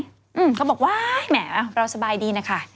เงินที่เขาบอกว่าแม่น่ะเรารักสบายดีนะคะ